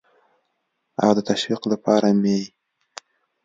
او د تشویق لپاره مې